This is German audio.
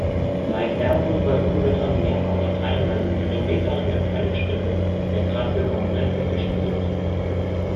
Seither wurden bei Unwettern mehrere teilweise kilometerlange Teilstücke der Trasse komplett weggespült.